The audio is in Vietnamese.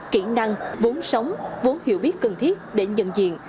kiện năng vốn sống vốn hiệu biết cần thiết để nhận diện